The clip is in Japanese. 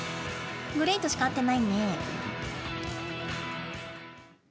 グレートしか合ってないね。